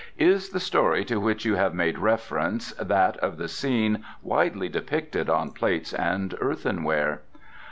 "Is the story, to which you have made reference, that of the scene widely depicted on plates and earthenware?"